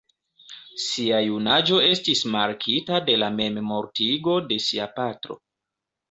Sia junaĝo estis markita de la memmortigo de sia patro.